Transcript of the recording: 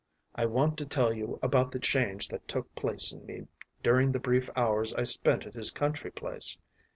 I want to tell you about the change that took place in me during the brief hours I spent at his country place.